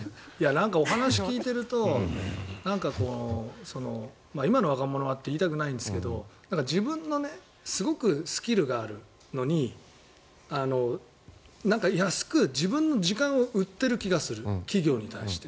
なんかお話を聞いてると今の若者はと言いたくないんですけど自分にすごくスキルがあるのに安く、自分の時間を売っている気がする企業に対して。